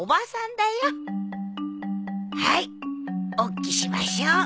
はいおっきしましょう。